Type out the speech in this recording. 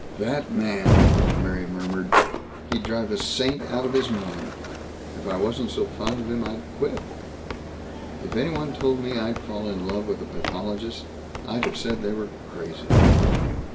"That man!" Mary murmured. "He'd drive a saint out of his mind. If I wasn't so fond of him I'd quit. If anyone told me I'd fall in love with a pathologist, I'd have said they were crazy.